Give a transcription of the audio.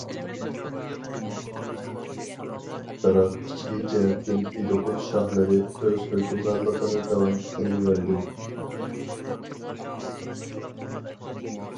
بىراق ئىچكى جەھەتتىن ئىدىقۇت شاھلىرى ئۆز ھۆكۈمرانلىقىنى داۋام قىلىۋەردى.